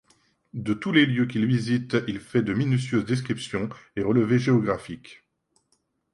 De tous les lieux qu’il visite il fait de minutieuses descriptions et relevés géographiques.